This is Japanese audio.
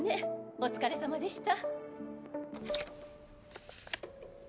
お疲れさまでした。